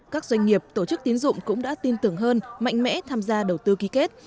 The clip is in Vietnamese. các doanh nghiệp tổ chức tín dụng cũng đã tin tưởng hơn mạnh mẽ tham gia đầu tư ký kết